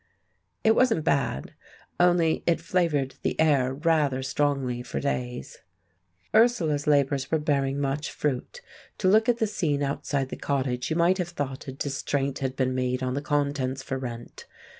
It wasn't bad, only it flavoured the air rather strongly for days. Ursula's labours were bearing much fruit. To look at the scene outside the cottage, you might have thought a distraint had been made on the contents for rent.